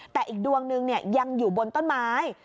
แต่อีกดวงนึงยังอยู่บนต้นไม้